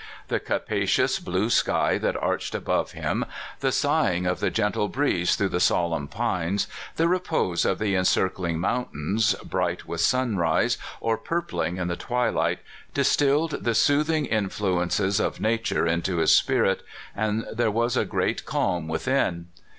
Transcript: The capacious blue sky that arched above him, the sighing of the gentle breeze through the solemn pines, the repose of the encircling mountains, bright with sunrise, or purpling in the SANDERS. 337 twilight, distilled the soothing influences of nature into his spirit, and there was a great calm within.